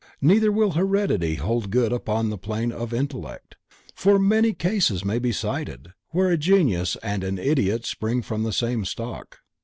Neither will Heredity hold good upon the plane of the intellect, for many cases may be cited where a genius and an idiot spring from the same stock.